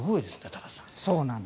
多田さん。